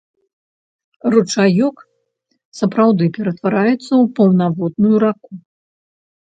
Ручаёк сапраўды ператвараецца ў паўнаводную раку.